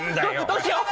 どうしよう！？